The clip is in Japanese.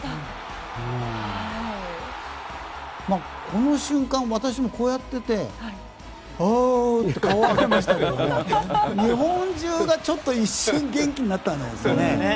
この瞬間私もこうやっていてあーって顔を上げましたけど日本中がちょっと一瞬、元気になったんじゃないですかね。